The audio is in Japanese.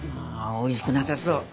おいしくなさそう。